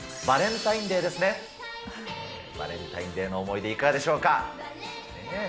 バレンタインデーの思い出いかがでしょうか。